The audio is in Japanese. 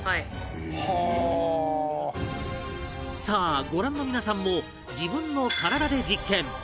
さあご覧の皆さんも自分の体で実験